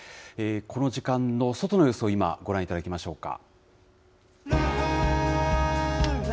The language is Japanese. この時間の外の様子を今、ご覧いただきましょうか。